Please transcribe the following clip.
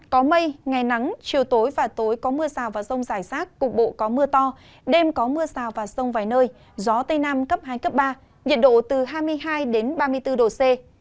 có mây ngày nắng chiều tối và tối có mưa rào và rông rải rác cục bộ có mưa to đêm có mưa rào và rông vài nơi gió tây nam cấp hai cấp ba nhiệt độ từ hai mươi hai ba mươi bốn độ c